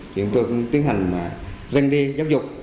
chuyển tượng tiến hành răng đê giáo dục